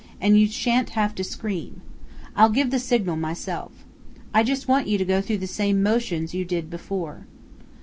And you shan't have to scream. I'll give the signal myself. I just want you to go through the same motions you did before."